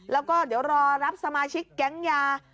แล้วก็เดี๋ยวรอรับสมาชิกแก๊งยา